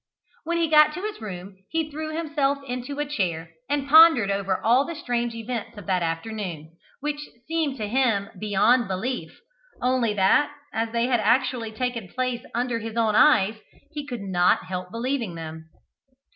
When he got to his room he threw himself into a chair, and pondered over all the strange events of that afternoon, which seemed to him beyond belief, only that, as they had actually taken place under his own eyes, he could not help believing them.